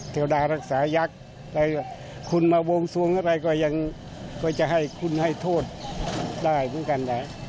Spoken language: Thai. เทวดารักษายักษ์คุณมาวงสวงอะไรก็ยังก็จะให้คุณให้โทษได้เหมือนกันนะ